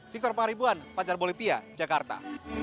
victor pangaribuan fajar bolivia jakarta